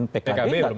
pkb belum tentu